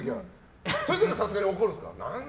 そういう時はさすがに怒るんですか？